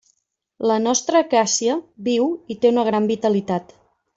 La nostra acàcia viu i té una gran vitalitat.